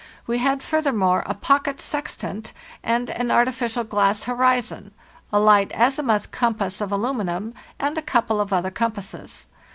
We had, furthermore, a pocket sextant and an artificial glass horizon, a light azimuth compass of aluminium, and a couple of other compasses.